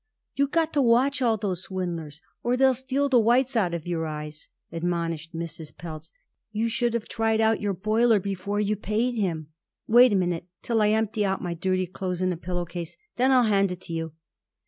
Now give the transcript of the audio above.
"You got to watch all those swindlers, or they'll steal the whites out of your eyes," admonished Mrs. Pelz. "You should have tried out your boiler before you paid him. Wait a minute till I empty out my dirty clothes in a pillow case; then I'll hand it to you."